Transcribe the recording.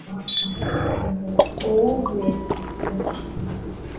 uw’Uburezi